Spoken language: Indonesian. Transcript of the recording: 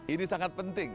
ini sangat penting